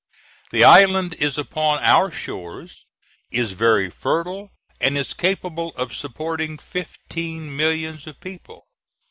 The island is upon our shores, is very fertile, and is capable of supporting fifteen millions of people.